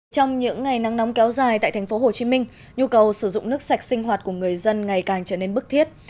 trong những ngày nắng nóng kéo dài tại thành phố hồ chí minh nhu cầu sử dụng nước sạch sinh hoạt của người dân ngày càng trở nên bức thiết